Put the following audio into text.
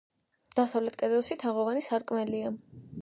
დასავლეთ კედელში თაღოვანი სარკმელია.